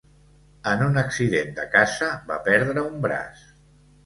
En un accident de caça va perdre un braç.